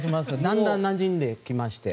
だんだんなじんできまして。